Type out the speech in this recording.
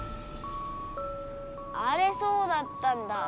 あれそうだったんだ。